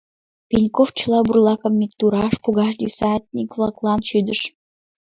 Пеньков чыла бурлакым иктураш погаш десятник-влаклан шӱдыш.